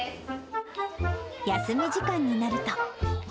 休み時間になると。